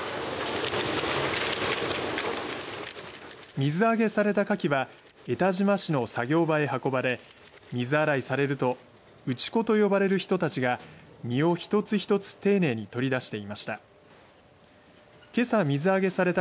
水揚げされたかきは江田島市の作業場へ運ばれ水洗いされると打ち子と呼ばれる人たちが身を一つ一つ丁寧に取り出していました。